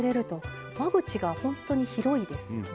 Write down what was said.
間口が本当に広いですよね。